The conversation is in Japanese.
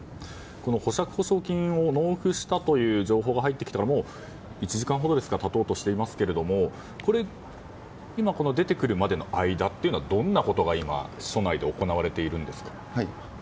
保釈保証金を納付したという情報が入ってきてから１時間ほどが経とうとしていますけれども今、出てくるまでの間はどんなことが署内で行われているんですか。